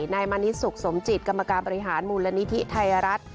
นายมณิสุขสมจิตกรรมการบริหารมูลนิธิไทยรัฐ